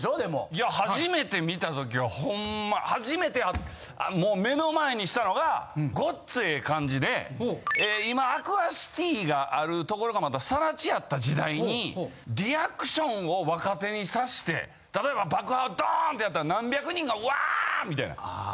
いや初めて見た時はほんま初めてもう目の前にしたのが『ごっつええ感じ』で今アクアシティがあるところがまだ更地やった時代にリアクションを若手にさして例えば爆破をドーンってやったら何百人がうわぁ！みたいな。